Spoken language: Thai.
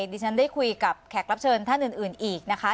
ดิฉันได้คุยกับแขกรับเชิญท่านอื่นอีกนะคะ